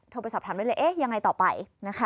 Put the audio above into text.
ไปสอบถามได้เลยเอ๊ะยังไงต่อไปนะคะ